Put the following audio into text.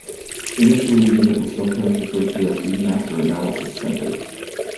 Initially the unit was sometimes referred to as the Master Analysis Center.